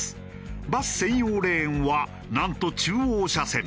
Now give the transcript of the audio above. バス専用レーンはなんと中央車線。